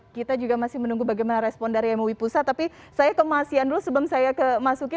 kita juga masih menunggu bagaimana respon dari mui pusat tapi saya kemasian dulu sebelum saya kemasuki